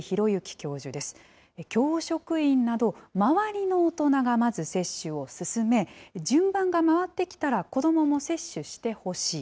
教職員など、周りの大人がまず接種を進め、順番が回ってきたら子どもも接種してほしい。